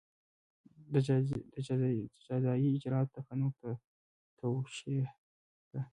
د جزایي اجراآتو د قانون د توشېح په